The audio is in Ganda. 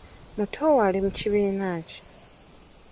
Muto wo ali mu kibiina ki?